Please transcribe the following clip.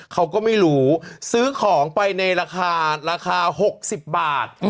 เขาก็ไม่รู้ซื้อของไปในราคาราคา๖๐บาท